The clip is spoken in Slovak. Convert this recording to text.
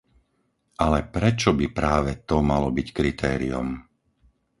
Ale prečo by práve to malo byť kritériom?